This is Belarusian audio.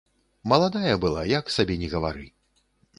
Маладая была, як сабе ні гавары.